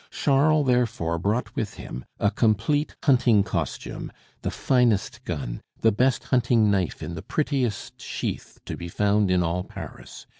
Charles therefore brought with him a complete hunting costume, the finest gun, the best hunting knife in the prettiest sheath to be found in all Paris.